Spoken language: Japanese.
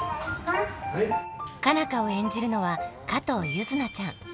佳奈花を演じるのは加藤柚凪ちゃん。